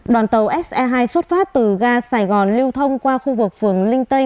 đoàn tàu se hai xuất phát từ ga sài gòn lưu thông qua khu vực phường linh tây